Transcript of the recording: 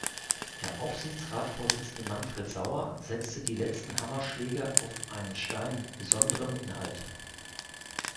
Der Aufsichtsratsvorsitzende Manfred Sauer setzte die letzten Hammerschläge auf einen Stein mit besonderem Inhalt.